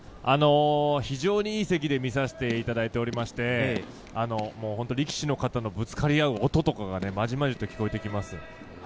非常に良い席で見させていただいておりまして力士の方のぶつかり合う音とかがまじまじと聞こえてきます。